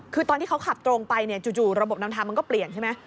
คือตอนที่เขาขับตรงไปเนี่ยจู่ระบบนำทางมันก็เปลี่ยนใช่ไหม